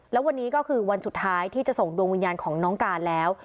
แล้ววันนี้ก็คือวันสุดท้ายที่จะส่งดวงวิญญาณของน้องการแล้ว